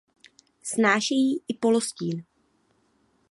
Snášejí i polostín.